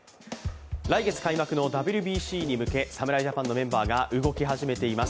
来月開幕のＷＢＣに向け、侍ジャパンのメンバーが動き始めています。